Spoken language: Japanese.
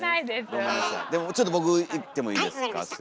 でもちょっと僕いってもいいですか？